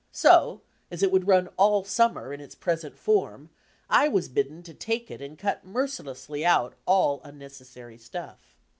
So, as it would run all summer, in its present form, I was bidden to take it and cut merci lessly out all unnecessary stuff.